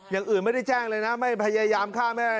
อย่างอื่นไม่ได้แจ้งเลยนะไม่พยายามฆ่าไม่อะไร